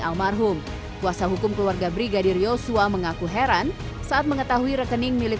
almarhum kuasa hukum keluarga brigadir yosua mengaku heran saat mengetahui rekening milik